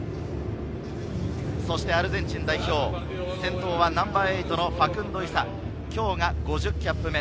そしてアルゼンチン代表、先頭はナンバー８のファクンド・イサ、きょうが５０キャップ目。